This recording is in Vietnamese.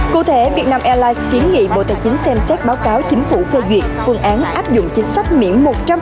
cụ thể vietnam airlines kiến nghị bộ tài chính xem xét báo cáo chính phủ phê duyệt phương án áp dụng chính sách miễn một trăm linh